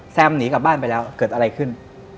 หนีกลับบ้านไปแล้วเกิดอะไรขึ้น